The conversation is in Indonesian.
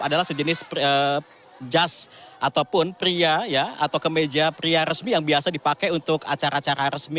adalah sejenis jas ataupun pria atau kemeja pria resmi yang biasa dipakai untuk acara acara resmi